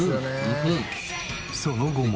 その後も。